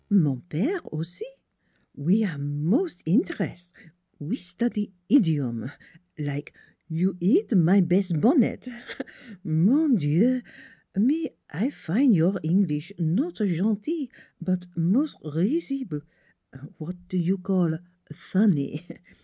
" Mon pere, aussi. We are mos' interes'. We study idiome like ' you eat my bes' bonnet.' ... Mon Dieu! me I fin' your Englis' not gentil, but mos' risible^ w'at you call fon ny.